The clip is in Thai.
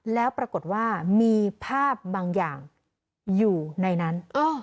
แล้วปรากฏว่ามีภาพบางอย่างอยู่ในนั้น